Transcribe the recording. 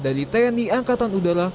dari tni angkatan udara